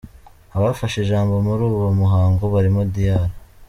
Abafashe ijambo muri uwo muhango barimo Dr.